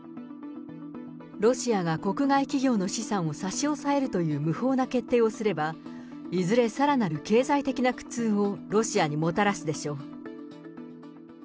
ロシアが国外企業の資産を差し押さえるという無法な決定をすれば、いずれさらなる経済的な苦痛をロシアにもたらすでしょう。